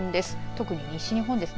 特に西日本です。